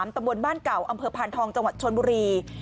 ตำบลบ้านเก่าอำเภอพานทองจังหวัดชนบุรี